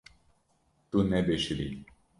Tu nebişirî.